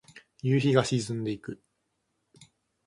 夕日が沈んでいく。